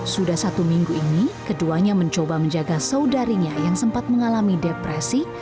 sudah satu minggu ini keduanya mencoba menjaga saudarinya yang sempat mengalami depresi